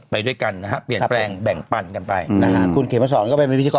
ไปด้วยกันนะฮะแบ่งปันกันไปนะฮะคุณเขมารสองก็เป็นบินพดิกร